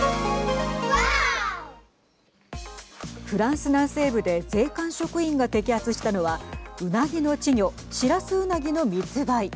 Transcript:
フランス南西部で税関職員が摘発したのはうなぎの稚魚シラスウナギの密売。